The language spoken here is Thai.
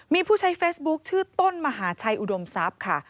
มีผู้ใช้เฟซบุ๊คชื่อต้นมหาชัยอุดมทรัพย์ค่ะ